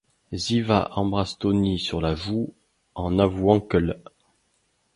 Ziva embrasse Tony sur la joue en avouant que l'.